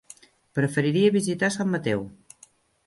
Preferiria visitar Sant Mateu.